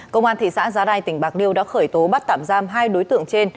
công an thị xã giá đài tỉnh bạc điêu đã khởi tố bắt tạm giam hai đối tượng trên